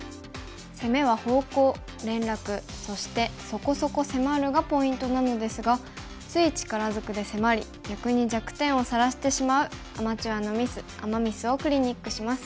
攻めは「方向」「連絡」そして「そこそこ迫る」がポイントなのですがつい力づくで迫り逆に弱点をさらしてしまうアマチュアのミスアマ・ミスをクリニックします。